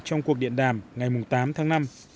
trong cuộc điện đàm ngày tám tháng năm